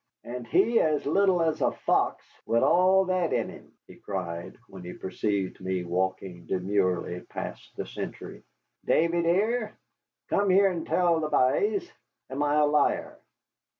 "And he as little as a fox, wid all that in him," he cried, when he perceived me walking demurely past the sentry. "Davy, dear, come here an' tell the b'ys am I a liar."